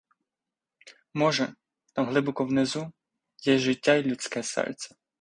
Може, там глибоко внизу, є життя й людське серце.